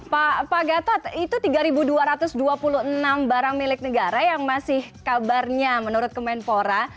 pak gatot itu tiga dua ratus dua puluh enam barang milik negara yang masih kabarnya menurut kemenpora